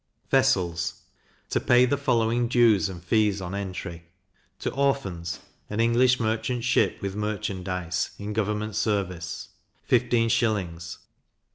Vessels to pay the following dues and fees on entry: To Orphans, an English merchant ship with merchandize, in government service, 15s.